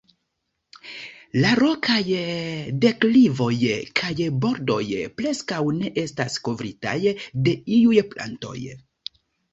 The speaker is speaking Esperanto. La rokaj deklivoj kaj bordoj preskaŭ ne estas kovritaj de iuj plantoj.